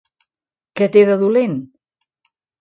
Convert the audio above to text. Què té de dolent?